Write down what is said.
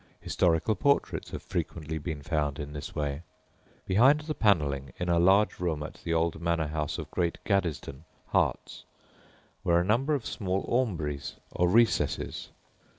Historical portraits have frequently been found in this way. Behind the panelling in a large room at the old manor house of Great Gaddesden, Herts, were a number of small aumbrys, or recesses.